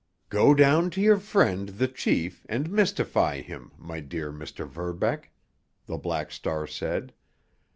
"Go down to your friend, the chief, and mystify him, my dear Mr. Verbeck," the Black Star said.